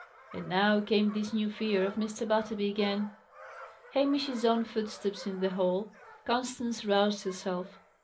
And now came this new fear of Mr. Butterby again! Hamish's own footstep in the hall. Constance roused herself.